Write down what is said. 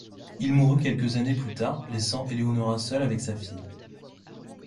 Il mourut quelques années plus tard, laissant Eleonora seule avec sa fille.